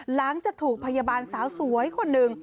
หลังจากถูกพยาบาลสาวสวยคนหนึ่ง